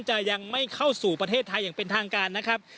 จะยังไม่เข้าสู่ประเทศไทยอย่างเป็นทางการนะครับ